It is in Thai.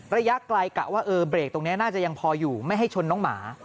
ระยะไกลกะว่าเออเบรกตรงนี้น่าจะยังพออยู่ไม่ให้ชนน้องหมา